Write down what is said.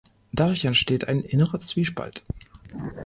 Dadurch entsteht ein innerer Zwiespalt.